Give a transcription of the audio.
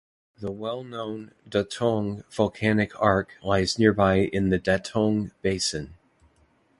The well-known Datong Volcanic Arc lies nearby in the Datong Basin.